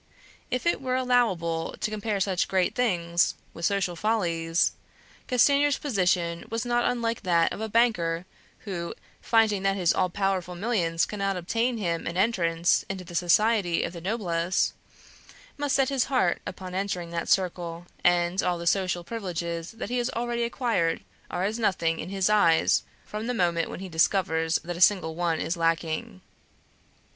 If it were allowable to compare such great things with social follies, Castanier's position was not unlike that of a banker who, finding that his all powerful millions cannot obtain for him an entrance into the society of the noblesse, must set his heart upon entering that circle, and all the social privileges that he has already acquired are as nothing in his eyes from the moment when he discovers that a single one is lacking.